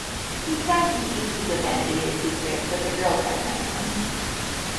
He tries to keep his identity a secret but the girls recognize him.